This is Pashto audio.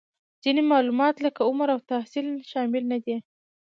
ځینې معلومات لکه عمر او تحصیل شامل نهدي